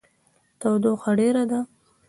تودوخه ډیره ده